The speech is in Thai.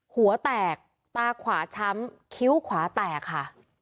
หัวแตกตาขวาช้ำคิ้วขวาแตกค่ะ